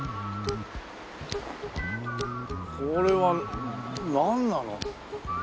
これはなんなの？